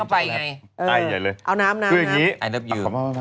เพราะอย่างนี้มันกินช็อกโกแลตไปไง